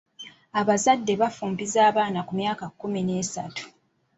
Abazadde bafumbiza abaana ku myaka kkumi n'esatu.